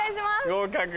合格。